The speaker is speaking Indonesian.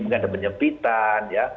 mungkin ada penyepitan